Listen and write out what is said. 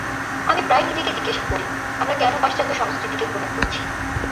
আমি প্রায়ই নিজেকে জিজ্ঞেস করি, আমরা কেন পাশ্চাত্য সংস্কৃতিকে গ্রহণ করছি।